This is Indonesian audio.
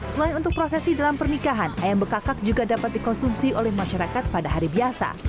selain untuk prosesi dalam pernikahan ayam bekakak juga dapat dikonsumsi oleh masyarakat pada hari biasa